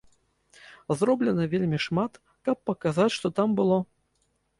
Зроблена вельмі шмат, каб паказаць, што там было.